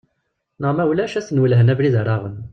Neɣ ma ulac ad ten-welhen abrid ara aɣen.